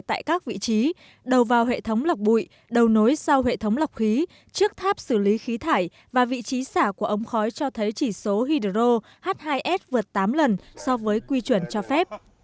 tại các vị trí đầu vào hệ thống lọc bụi đầu nối sau hệ thống lọc khí trước tháp xử lý khí thải và vị trí xả của ống khói cho thấy chỉ số hydro h hai s vượt tám lần so với quy chuẩn cho phép